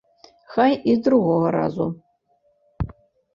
Хай і з другога разу.